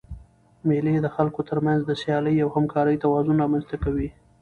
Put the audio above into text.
مېلې د خلکو تر منځ د سیالۍ او همکارۍ توازن رامنځ ته کوي.